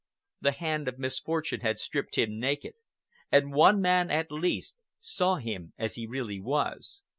The hand of misfortune had stripped him naked, and one man, at least, saw him as he really was.